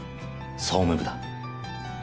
総務部だ。